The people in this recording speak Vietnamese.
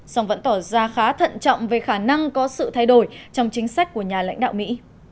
song vẫn tỏ ra khá thận trọng về khả năng có sự thay đổi trong chính sách của nhà lãnh đạo mỹ